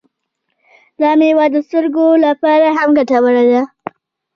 دا میوه د سترګو لپاره هم ګټوره ده.